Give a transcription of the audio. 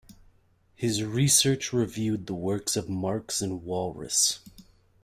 His research reviewed the works of Marx and Walras.